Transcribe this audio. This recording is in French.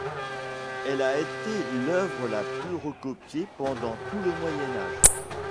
Elle a été l'œuvre la plus recopiée pendant tout le Moyen Âge.